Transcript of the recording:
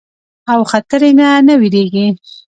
او خطري نه نۀ ويريږي